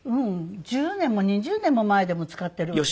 １０年も２０年も前でも使ってるわよ。